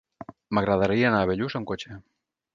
M'agradaria anar a Bellús amb cotxe.